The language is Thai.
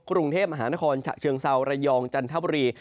กรุงเทพอร์ภาคอนชะเชืองซาวระยองจันทบุรี